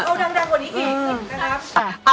หนึ่งสองซ้ำยาดมนุษย์ป้า